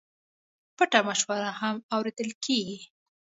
پټه مشوره هم اورېدل کېږي.